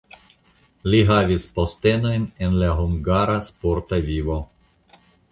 Li havis postenojn en la hungara sporta vivo.